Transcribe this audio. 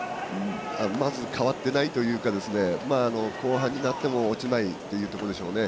まず変わってないというか後半になっても落ちないというところでしょうね。